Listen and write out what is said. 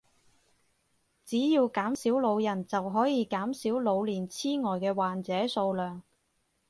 只要減少老人就可以減少老年癡呆嘅患者數量